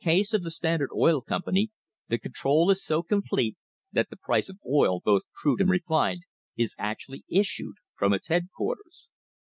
197] THE HISTORY OF THE STANDARD OIL COMPANY the control is so complete that the price of oil, both crude and refined, is actually issued from its headquarters.